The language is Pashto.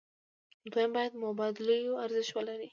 دویم باید مبادلوي ارزښت ولري.